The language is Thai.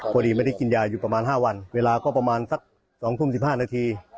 พอดีไม่ได้กินยาอยู่ประมาณ๕วันเวลาก็ประมาณสัก๒ทุ่ม๑๕นาที